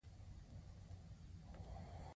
نو باید داسې موارد د اعتراض لپاره وټاکل شي.